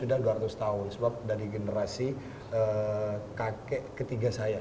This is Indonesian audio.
sudah dua ratus tahun sebab dari generasi kakek ketiga saya